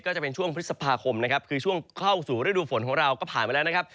ก็จะเป็นช่วงพฤษภาคมนะครับคือช่วงเข้าสู่ฤดูฝนของเราก็ผ่านมาแล้วนะครับ